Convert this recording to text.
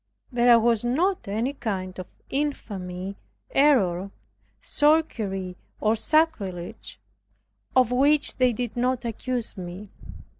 There was not any kind of infamy, error, sorcery, or sacrilege, of which they did not accuse me.